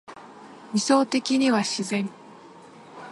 理想的には自然